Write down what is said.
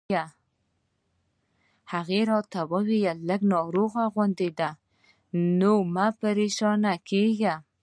هغې راته وویل: لږ ناروغه غوندې ده، نو مه پرېشانه کېږه.